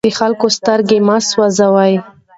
د خلکو سترګې مه سوځوئ.